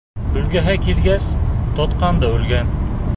Үлгеһе килгәс, тотҡан да үлгән!